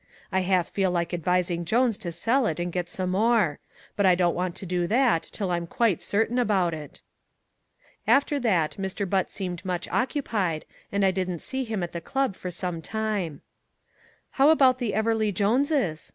I half feel like advising Jones to sell it and get some more. But I don't want to do that till I'm quite certain about it." After that Mr. Butt seemed much occupied and I didn't see him at the club for some time. "How about the Everleigh Joneses?"